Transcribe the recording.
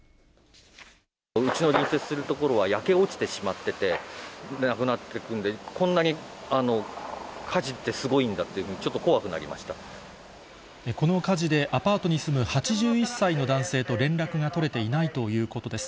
うちの隣接する所は焼け落ちてしまってて、なくなっていくので、こんなに火事ってすごいんだっていうふうに、ちょっと怖くなりまこの火事で、アパートに住む８１歳の男性と連絡が取れていないということです。